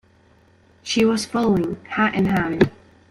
She was following, hat in hand.